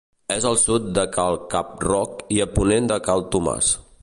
És al sud de Cal Cap-roc i a ponent de Cal Tomàs.